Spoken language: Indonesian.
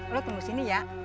lo tunggu sini ya